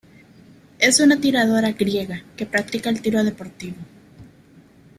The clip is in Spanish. Es una tiradora griega que practica el tiro deportivo.